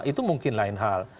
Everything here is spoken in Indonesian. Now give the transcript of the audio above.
itu mungkin lain hal